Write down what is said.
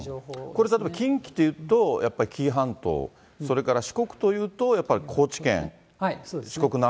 これ、例えば近畿というと、やっぱり紀伊半島、それから四国というとやっぱり高知県。